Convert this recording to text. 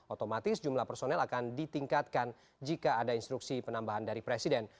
otomatis jumlah personel akan ditingkatkan jika ada instruksi penambahan dari presiden